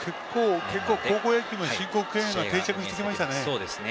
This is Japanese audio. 高校野球も申告敬遠が定着しましたね。